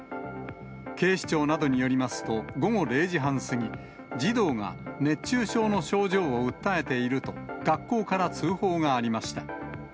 警視庁などによりますと、午後０時半過ぎ、児童が熱中症の症状を訴えていると、学校から通報がありました。